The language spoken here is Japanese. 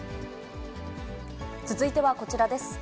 続いてはこちらです。